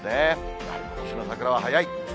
やはりことしの桜は早い。